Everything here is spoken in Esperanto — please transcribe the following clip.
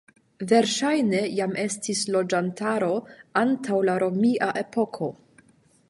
Verŝajne jam estis loĝantaro antaŭ la romia epoko.